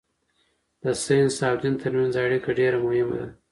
د ساینس او دین ترمنځ اړیکه ډېره مهمه ده.